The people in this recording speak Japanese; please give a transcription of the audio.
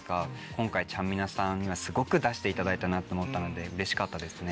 今回ちゃんみなさんがすごく出していただいたなと思ったのでうれしかったですね。